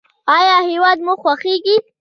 ایا هیواد مو خوښیږي؟